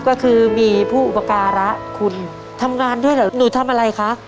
ก็คือมีผู้อุปการะคุณทำงานด้วยเหรอหนูทำอะไรคะ